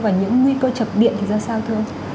và những nguy cơ chập điện thì ra sao thưa ông